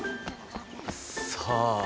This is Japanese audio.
さあ。